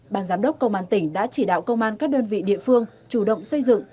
ban giám đốc công an tỉnh đã chỉ đạo công an các đơn vị địa phương chủ động xây dựng